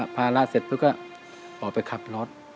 ภาระเสร็จปุ๊บก็ออกไปขับรถ